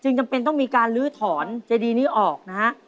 จำเป็นต้องมีการลื้อถอนเจดีนี้ออกนะฮะ